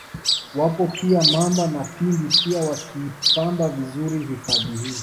Wapo pia Mamba na Pimbi pia wakiipamba vizuri hifadhi hii